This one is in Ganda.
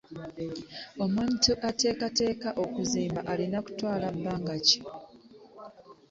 Omuntu ateekateka okuzimba alina kutwala bbanga ki ?